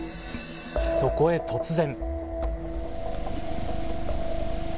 そこへ突然。